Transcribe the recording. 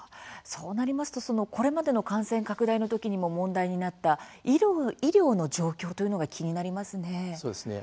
そうなりますとこれまでの感染拡大のときにも問題になった医療の状況というのが気になりますね。